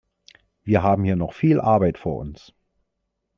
Wir haben hier noch viel Arbeit vor uns.